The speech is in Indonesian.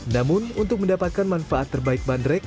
namun untuk mendapatkan manfaat terbaik bandrek